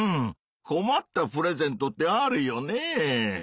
こまったプレゼントってあるよねぇ。